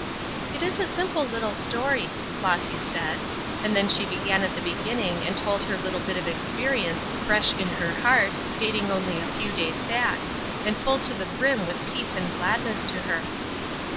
"It is a simple little story," Flossy said. And then she began at the beginning and told her little bit of experience, fresh in her heart, dating only a few days back, and full to the brim with peace and gladness to her.